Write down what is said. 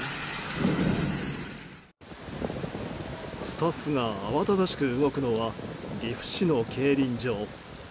スタッフがあわただしく動くのは岐阜市の競輪場。